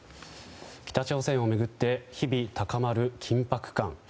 北朝鮮を巡って日々、高まる緊迫感。